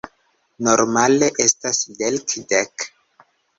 Normale estas kelkdek.